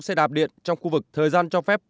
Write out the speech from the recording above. xe đạp điện trong khu vực thời gian cho phép